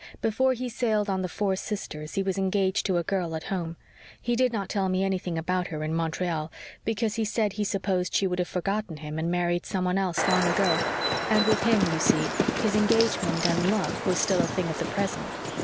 Before he sailed on the Four Sisters he was engaged to a girl at home. He did not tell me anything about her in Montreal, because he said he supposed she would have forgotten him and married someone else long ago, and with him, you see, his engagement and love was still a thing of the present.